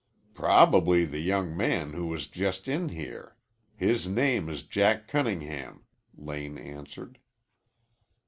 "Probably the young man who was just in here. His name is Jack Cunningham," Lane answered.